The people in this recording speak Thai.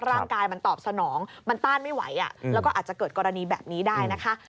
ร่างกายมันตอบสนองมันต้านไม่ไหวแล้วก็อาจจะเกิดกรณีแบบนี้ได้นะคะ